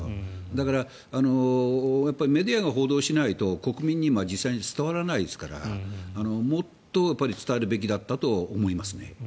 だからメディアが報道しないと国民に実際に伝わらないですからもっと伝えるべきだったと思いますね。